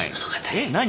えっ何？